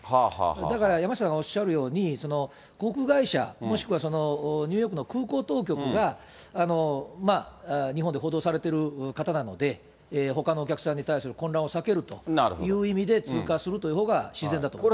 だから山下さんがおっしゃるように、航空会社、もしくはニューヨークの空港当局が、日本で報道されてる方なので、ほかのお客さんに対する混乱を避けるという意味で、通過するというほうが自然だと思います。